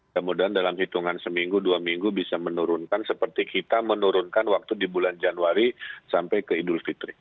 kemudian dalam hitungan seminggu dua minggu bisa menurunkan seperti kita menurunkan waktu di bulan januari sampai ke idul fitri